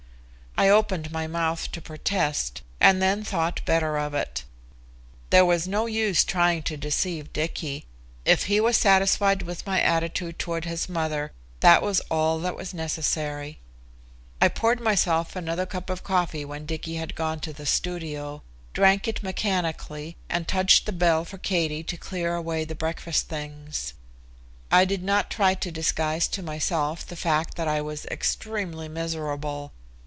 I opened my mouth to protest, and then thought better of it. There was no use trying to deceive Dicky. If he was satisfied with my attitude toward his mother, that was all that was necessary. I poured myself another cup of coffee, when Dicky had gone to the studio, drank it mechanically, and touched the bell for Katie to clear away the breakfast things. I did not try to disguise to myself the fact that I was extremely miserable.